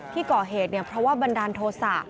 ที่ก่อเหตุเพราะว่าบันดาลโทษะ